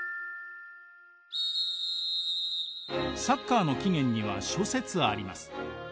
サッカーの起源には諸説あります。